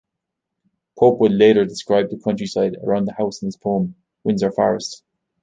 Pope would later describe the countryside around the house in his poem "Windsor Forest".